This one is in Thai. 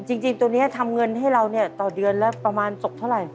จริงตัวนี้ทำเงินให้เราเนี่ยต่อเดือนละประมาณตกเท่าไหร่